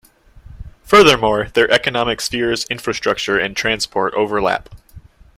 Furthermore, their economic spheres, infrastructure, and transport links overlap.